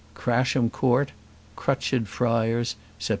Crasham Court, Crutched Friars, Sept.